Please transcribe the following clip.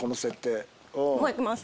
今行きます。